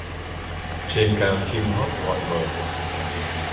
Trên cao chim hót gọi mời